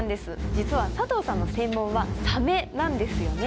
実は佐藤さんの専門はサメなんですよね。